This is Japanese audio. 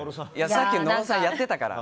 さっき、野呂さんやってたから。